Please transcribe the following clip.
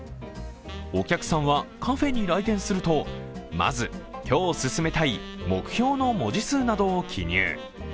お客さんはカフェに来店するとまず今日進めたい目標の文字数などを記入。